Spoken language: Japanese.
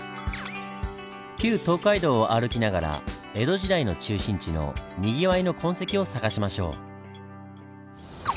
旧東海道を歩きながら江戸時代の中心地のにぎわいの痕跡を探しましょう。